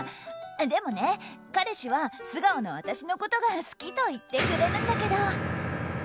でもね、彼氏は素顔の私のことが好きと言ってくれるんだけど。